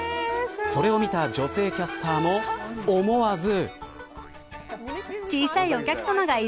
それを見た女性キャスターも思わず。